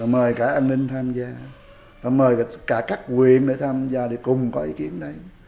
mời cả an ninh tham gia mời cả các quyền tham gia để cùng có ý kiến đấy